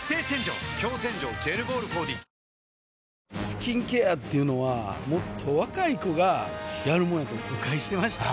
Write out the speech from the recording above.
スキンケアっていうのはもっと若い子がやるもんやと誤解してました